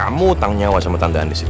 kamu utang nyawa sama tante andi situ